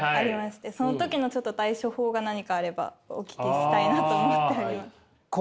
その時のちょっと対処法が何かあればお聞きしたいなと思っております。